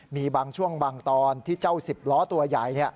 มีบางช่วงบางตอนที่เจ้า๑๐ล้อตัวใหญ่